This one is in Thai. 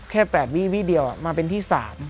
แค่๘วีวี่เดียวมาเป็นที่๓